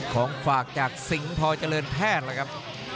ของฝากจากสิงค์พลังลักษณ์เจริญแพทย์ครับ